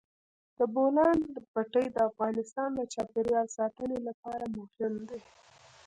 د بولان پټي د افغانستان د چاپیریال ساتنې لپاره مهم دي.